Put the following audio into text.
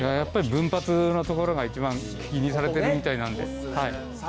分髪のところが一番気にされてるみたいなんで。